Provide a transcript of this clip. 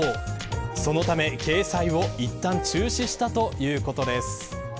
そのため、掲載を一旦、中止したということです。